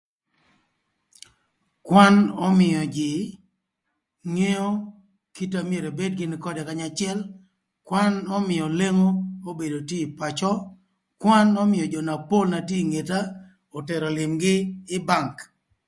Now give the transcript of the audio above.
Kwan ömïö jïï ngeo kite na myero ebed gïnï ködë kanya acël, kwan ömïö lengo obedo tye ï pacö, kwan ömïö jö na pol na tye ï ngeta otero lïmgi ï Bank.